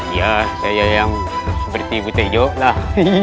ya saya yang seperti buta hijau lah